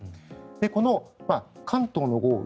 この関東の豪雨